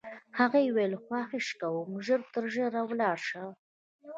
هغې وویل: خواهش کوم، ژر تر ژره ولاړ شه.